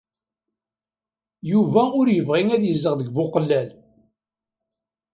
Yuba ur yebɣi ad yezdeɣ deg Buqellal.